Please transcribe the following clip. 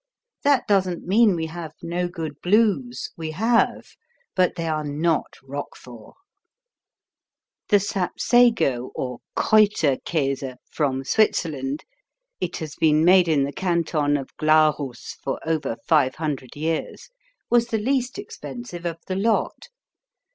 That doesn't mean we have no good Blues. We have. But they are not Roquefort. The Sapsago or Kräuterkäse from Switzerland (it has been made in the Canton of Glarus for over five hundred years) was the least expensive of the lot.